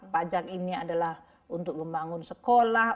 pajak ini adalah untuk membangun sekolah